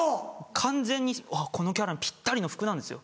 完全にこのキャラにぴったりの服なんですよ。